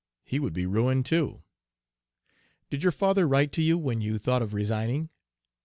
'He would be ruined, too.' "'Did your father write to you when you thought of resigning?'